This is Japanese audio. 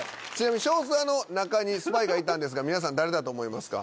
少数派の中にスパイがいたんですが皆さん誰だと思いますか？